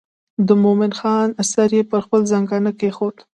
د مومن خان سر یې پر خپل زنګانه کېښود.